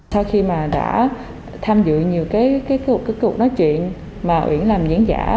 sau khi mà đã tham dự nhiều cái kết cục nói chuyện mà uyển làm diễn giả